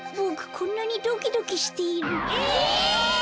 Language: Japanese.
こんなにドキドキしている。えっ！？